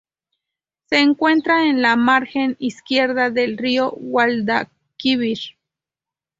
Se encuentra en la margen izquierda del río Guadalquivir.